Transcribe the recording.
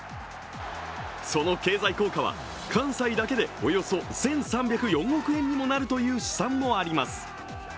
その経済効果は、関西だけでおよそ１３０４億円にもなるという試算もあります